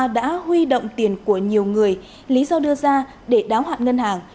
trong thời gian dối khoa đã huy động tiền của nhiều người lý do đưa ra để đáo hạn ngân hàng